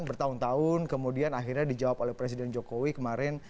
bertahun tahun kemudian akhirnya dijawab oleh presiden jokowi kemarin